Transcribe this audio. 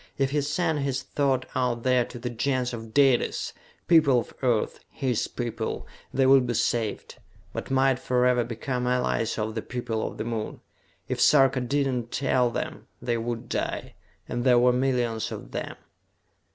If he sent his thought out there to the Gens of Dalis, people of Earth, his people, they would be saved, but might forever become allies of the people of the Moon. If Sarka did not tell them, they would die and there were millions of them.